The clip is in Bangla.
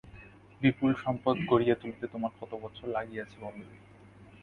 বিপুল সম্পদ গড়িয়া তুলিতে তোমার কত বছর লাগিয়াছে বল দেখি।